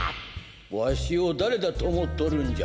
わしをだれだとおもっとるんじゃ。